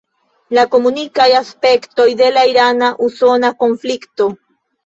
La komunikaj aspektoj de la irana-usona konflikto.